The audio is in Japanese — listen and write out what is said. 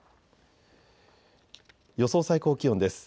予想最高気温です。